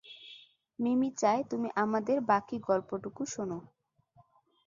মিমি চায়, তুমি আমাদের বাকী গল্পটুকু শোন।